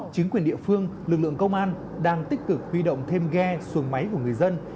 chính quyền địa phương lực lượng công an đang tích cực huy động thêm ghe xuồng máy của người dân